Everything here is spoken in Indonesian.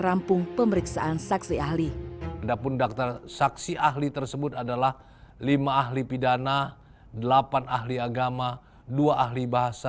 rampung pemeriksaan saksi ahli dapur daftar saksi ahli tersebut adalah lima ahli pidana delapan ahli